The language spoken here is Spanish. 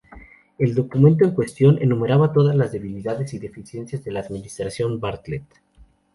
El documento en cuestión enumeraba todas las debilidades y deficiencias de la administración Bartlet.